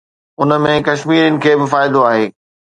ان ۾ ڪشميرين کي به فائدو آهي.